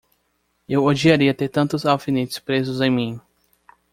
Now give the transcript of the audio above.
Eu odiaria ter tantos alfinetes presos em mim!